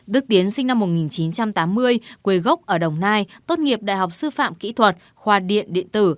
đức tiến sinh năm một nghìn chín trăm tám mươi quê gốc ở đồng nai tốt nghiệp đại học sư phạm kỹ thuật khoa điện điện tử